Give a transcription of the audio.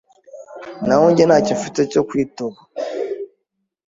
Naho njye, ntacyo mfite cyo kwitoba.